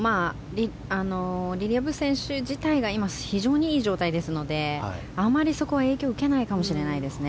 リリア・ブ選手自体が今、非常にいい状態ですのであまりそこは影響を受けないかもしれないですね。